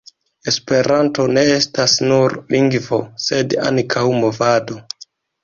Esperanto ne estas nur lingvo, sed ankaŭ movado.